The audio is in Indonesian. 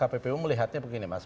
ya kalau kppu melihatnya begini mas